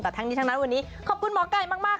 แต่ทั้งนี้ทั้งนั้นวันนี้ขอบคุณหมอไก่มาก